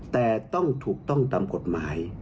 แต่ต้องถูกต้องตามกฎหมาย